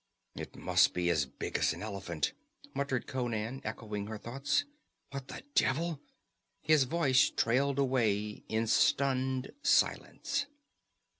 "It must be as big as an elephant," muttered Conan, echoing her thought. "What the devil " His voice trailed away in stunned silence.